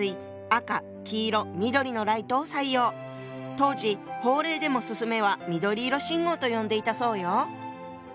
当時法令でも「進め」は「緑色信号」と呼んでいたそうよ。